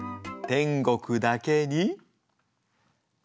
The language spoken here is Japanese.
天国だけに。